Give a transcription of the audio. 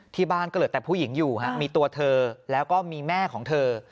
บ้านก็เหลือแต่ผู้หญิงอยู่มีตัวเธอแล้วก็มีแม่ของเธอ